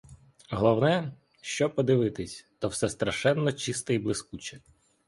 Головне, що — подивитись, — то все страшенно чисте й блискуче.